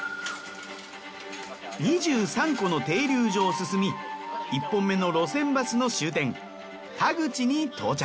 ２３個の停留所を進み１本目の路線バスの終点田口に到着。